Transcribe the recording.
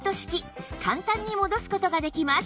簡単に戻す事ができます